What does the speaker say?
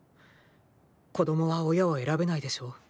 子供は親を選べないでしょう？